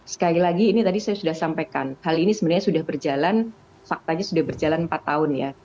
sekali lagi ini tadi saya sudah sampaikan hal ini sebenarnya sudah berjalan faktanya sudah berjalan empat tahun ya